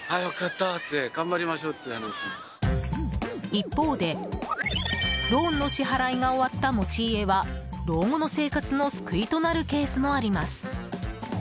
一方で、ローンの支払いが終わった持ち家は老後の生活の救いとなるケースもあります。